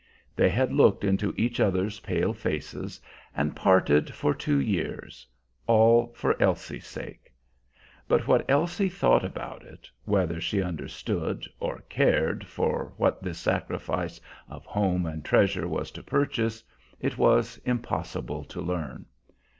They had looked into each other's pale faces and parted for two years, all for Elsie's sake. But what Elsie thought about it whether she understood or cared for what this sacrifice of home and treasure was to purchase it was impossible to learn.